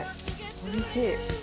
おいしい。